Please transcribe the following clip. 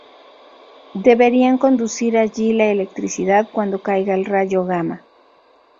Deberían conducir allí la electricidad cuando caiga el rayo gamma.